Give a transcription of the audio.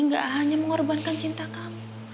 gak hanya mengorbankan cinta kamu